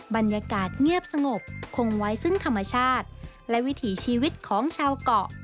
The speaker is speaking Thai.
บรรยากาศเงียบสงบคงไว้ซึ่งธรรมชาติและวิถีชีวิตของชาวเกาะ